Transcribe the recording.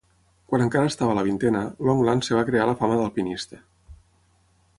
Quan encara estava a la vintena, Longland es va crear la fama d'alpinista.